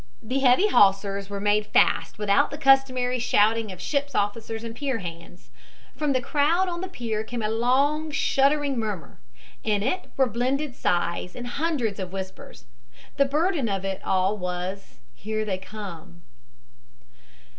The heavy hawsers were made fast without the customary shouting of ship's officers and pier hands. From the crowd on the pier came a long, shuddering murmur. In it were blended sighs and hundreds of whispers. The burden of it all was: "Here they come."